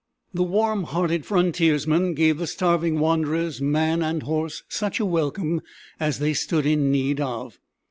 The warm hearted frontiersman gave the starving wanderers, man and horse, such a welcome as they stood in need of.